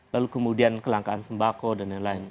lalu kemudian kelangkaan sembako dan lain lain